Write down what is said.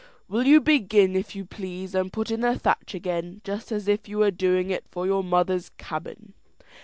Will you begin, if you please, and put in the thatch again, just as if you were doing it for your mother's cabin?"